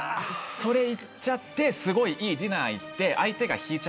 それ行っちゃってすごいいいディナー行って。